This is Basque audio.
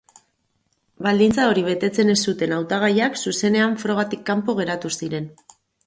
Baldintza hori betetzen ez zuten hautagaiak zuzenean frogatik kanpo geratu ziren.